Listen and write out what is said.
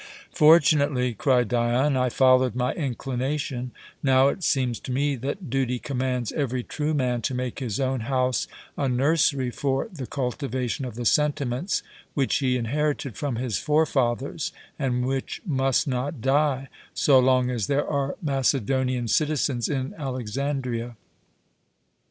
"Fortunately," cried Dion, "I followed my inclination; now it seems to me that duty commands every true man to make his own house a nursery for the cultivation of the sentiments which he inherited from his forefathers and which must not die, so long as there are Macedonian citizens in Alexandria.